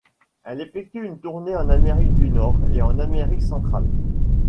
Elle effectue une tournée en Amérique du Nord et en Amérique centrale.